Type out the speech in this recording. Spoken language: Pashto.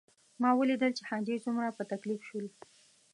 ما ولیدل چې حاجي څومره په تکلیف شول.